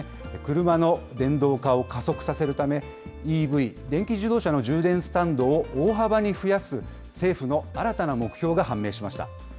車の電動化を加速させるため、ＥＶ・電気自動車の充電スタンドを大幅に増やす政府の新たな目標